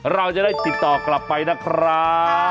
เราจะได้ติดต่อกลับไปนะครับ